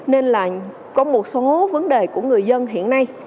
nên là có một số vấn đề của người dân hiện nay